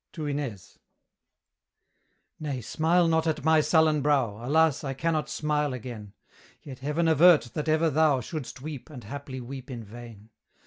TO INEZ. Nay, smile not at my sullen brow, Alas! I cannot smile again: Yet Heaven avert that ever thou Shouldst weep, and haply weep in vain.